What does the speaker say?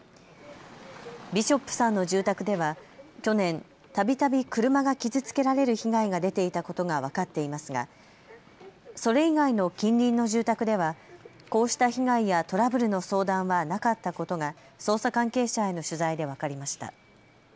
ビショップさんの住宅では去年、たびたび車が傷つけられる被害が出ていたことが分かっていますがそれ以外の近隣の住宅ではこうした被害やトラブルの相談はなかったことが捜査関係者への取材で分かりました。